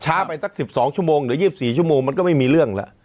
ช้าไปสัก๑๒ชมอย่างเดี๋ยว๒๔ชมมันก็ไม่มีเรื่องแล้ว